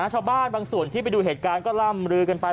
ชาวบ้านบางส่วนที่ไปดูเหตุการณ์ก็ล่ำลือกันไป